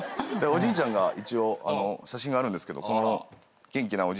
おじいちゃんが一応写真があるんですけどこの元気なおじいちゃんで。